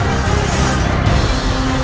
kau tidak bisa menang